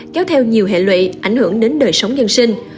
kéo theo nhiều hệ lụy ảnh hưởng đến đời sống dân sinh